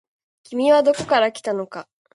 君はどこから来たのか。